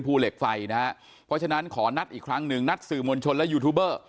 เหล็กไฟนะฮะเพราะฉะนั้นขอนัดอีกครั้งหนึ่งนัดสื่อมวลชนและยูทูบเบอร์